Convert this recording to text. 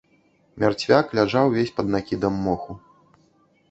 Мярцвяк ляжаў увесь пад накідам моху.